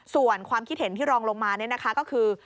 ส่วนความคิดเห็นที่รองลงมาเนี่ยนะคะก็คือ